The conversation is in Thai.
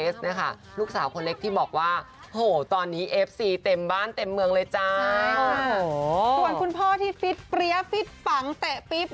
ส่วนคุณพ่อที่ฟิตเปรี้ยฟิตปังเตะปิ๊บ